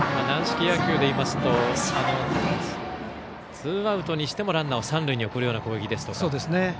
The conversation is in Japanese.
軟式野球でいいますとツーアウトにしてもランナーを三塁に送るような攻撃ですとか。